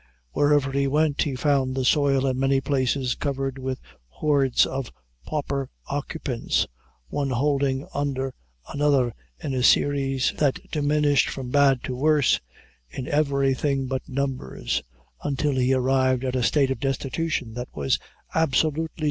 Wherever he went, he found the soil in many places covered with hordes of pauper occupants, one holding under another in a series that diminished from bad to worse in everything but numbers, until he arrived at a state of destitution that was absolutely!